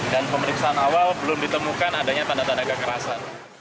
dan pemeriksaan awal belum ditemukan adanya tanda tanda kekerasan